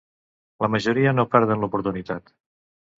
La majoria no perden l'oportunitat.